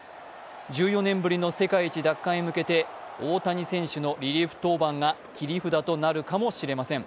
１４年ぶりの世界一奪還へ向けて大谷選手のリリーフ登板が切り札となるかもしれません。